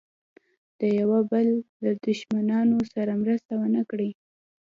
د یوه بل له دښمنانو سره مرسته ونه کړي.